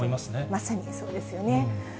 まさにそうですよね。